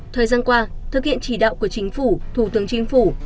thời gian qua thực hiện chỉ đạo của chính phủ thủ tướng chính phủ